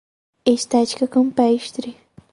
Estética campestre